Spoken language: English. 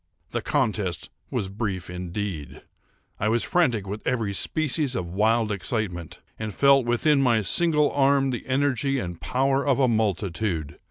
The contest was brief indeed. I was frantic with every species of wild excitement, and felt within my single arm the energy and power of a multitude.